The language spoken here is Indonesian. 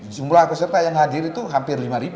jumlah peserta yang hadir itu hampir lima